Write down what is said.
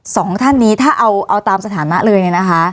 สองท่านนี้ถ้าเอาตามสถานะเลยเนี่ยนะคะ